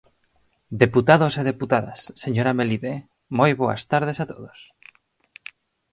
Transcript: Deputados e deputadas, señora Melide, moi boas tardes a todos.